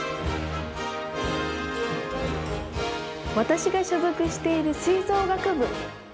私が所属している吹奏楽部。